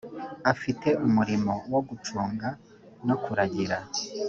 afite umurimo wo gucunga no kuragira